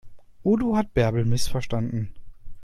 Udo hat Bärbel missverstanden.